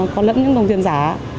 có lẫn những đồng tiền giả